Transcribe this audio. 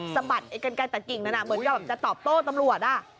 สะบัดไอ้กันไกลตัดกิ่งนั้นเหมือนกับจะตอบโต้ตำรวจ